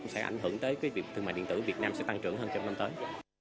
sẽ ảnh hưởng tới việc thương mại điện tử việt nam sẽ tăng trưởng hơn trong năm tới